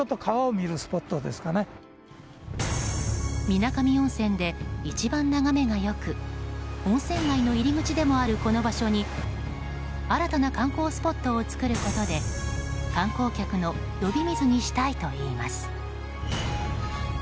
水上温泉で一番眺めが良く温泉街の入り口でもあるこの場所に新たな観光スポットを作ることで観光客の呼び水にしたいといいます。